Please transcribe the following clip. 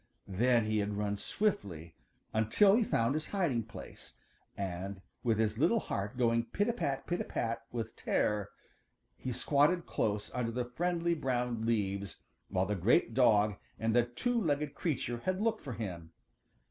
Then he had run swiftly until he found this hiding place, and, with his little heart going pit a pat, pit a pat with terror, had squatted close under the friendly brown leaves while the great dog and the two legged creature had looked for him.